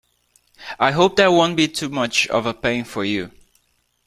I hope that won't be too much of a pain for you?